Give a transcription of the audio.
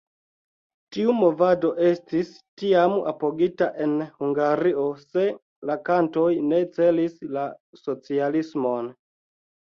Tiu movado estis tiam apogita en Hungario, se la kantoj ne celis la socialismon.